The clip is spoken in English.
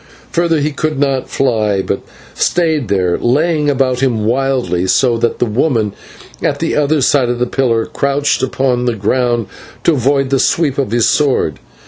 Further he could not fly, but stayed there, laying about him wildly, so that the woman at the other side of the pillar crouched upon the ground to avoid the sweep of his sword.